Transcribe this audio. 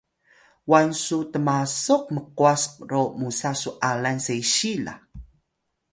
wan su tmasuq mqwas ro musa su alan sesiy la